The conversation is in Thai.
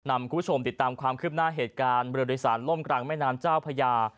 คุณผู้ชมติดตามความคืบหน้าเหตุการณ์เรือโดยสารล่มกลางแม่น้ำเจ้าพญา